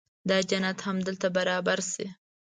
دا جنت همدلته برابر شي.